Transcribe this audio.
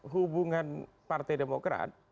hubungan partai demokrat